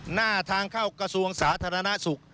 หน้าทางเข้ากระทรวงสาธารณสุข